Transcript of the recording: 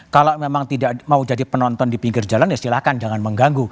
kalau memang tidak mau jadi penonton di pinggir jalan ya silahkan jangan mengganggu